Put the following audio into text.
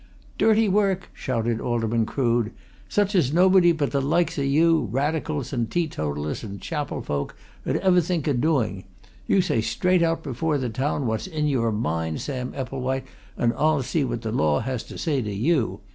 "Dirty work!" shouted Alderman Crood. "Such as nobody but the likes o' you Radicals and teetotallers and chapel folk! 'ud ever think o' doing. You say straight out before the town what's in your mind, Sam Epplewhite, and I'll see what the law has to say to you!